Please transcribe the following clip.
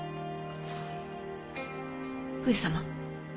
上様。